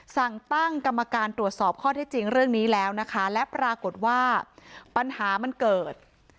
สั่งตั้งกรรมการตรวจสอบข้อที่จริงเรื่องนี้แล้วนะคะและปรากฏว่าปัญหามันเกิด